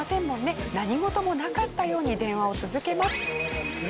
何事もなかったように電話を続けます。